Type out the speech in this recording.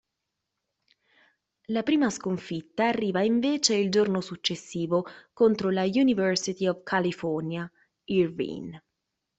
La prima sconfitta arriva invece il giorno successivo, contro la University of California, Irvine.